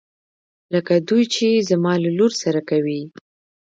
لکه دوی چې يې زما له لور سره کوي.